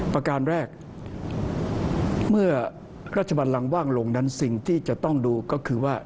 ประการแรกเมื่อราชบันลังว่างลงนั้นสิ่งที่จะต้องดูก็คือว่า